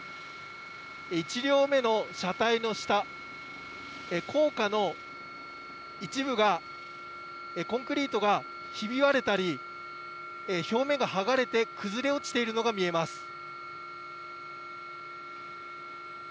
１両目の車体の下、高架の一部が、コンクリートがひび割れたり、表面が剥がれて崩れ落ちているのが見えます。